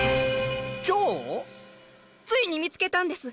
ついに見つけたんです。